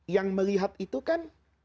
yang melihat itu kan